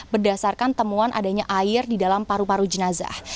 berdasarkan temuan adanya air di dalam paru paru jenazah